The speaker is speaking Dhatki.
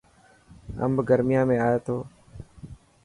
امب گر، يان ۾ ائي ٿو.